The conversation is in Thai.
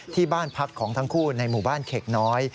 ที่บ้านพักของทั้งคู่ในหมู่บ้านเข็กน้อย